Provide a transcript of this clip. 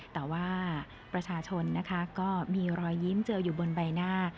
แต่ว่าประชาชนนะคะก็มีรอยยิ้มเจออยู่บนใบหน้า